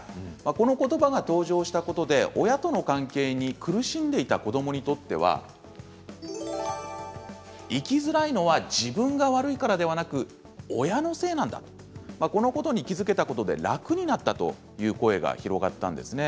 この言葉が登場したことで親との関係に苦しんでいた子どもにとっては生きづらいのは自分が悪いからではなく親のせいなんだ、このことに気付けたことで楽になれたという声が広がったんですね。